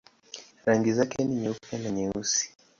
Rangi zake ni nyeupe na nyeusi.